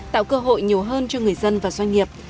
tạo cơ hội nhiều hơn cho người dân và doanh nghiệp